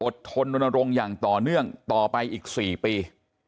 อดทนวนโรงอย่างต่อเนื่องต่อไปอีก๔ปี